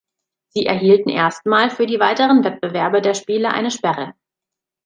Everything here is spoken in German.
Sie erhielten erstmal für die weiteren Wettbewerbe der Spiele eine Sperre.